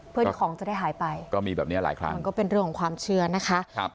เพื่อที่ของจะได้หายไปก็มีแบบเนี้ยหลายครั้งมันก็เป็นเรื่องของความเชื่อนะคะครับ